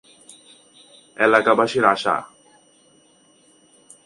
এলাকাবাসীর আশা।